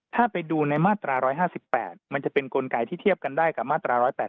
ถ้าไปดูในมาตรา๑๕๘มันจะเป็นกลไกที่เทียบกันได้กับมาตรา๑๘๘